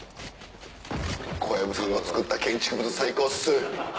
小籔さんがつくった建築物最高っす。